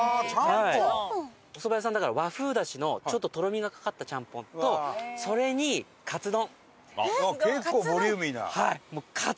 お蕎麦屋さんだから和風出汁のちょっととろみがかかったちゃんぽんとそれにかつ丼。